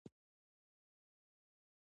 وادي د افغان ماشومانو د زده کړې موضوع ده.